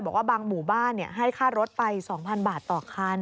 บอกว่าบางหมู่บ้านให้ค่ารถไป๒๐๐บาทต่อคัน